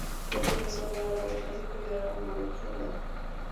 Fue profesor de árabe clásico y de árabe marroquí hablado.